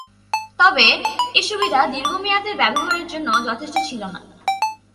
তবে এ সুবিধা দীর্ঘমেয়াদে ব্যবহারের জন্য যথেষ্ট ছিল না।